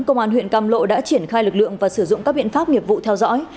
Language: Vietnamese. công an huyện cam lộ đã triển khai lực lượng và sử dụng các biện pháp nghiệp vụ theo dõi